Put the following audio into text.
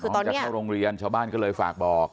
จะเข้าโรงเรียนชาวบ้านก็เลยฝากบอก